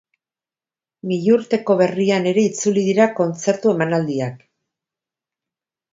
Milurteko berrian ere itzuli dira kontzertu emanaldiak.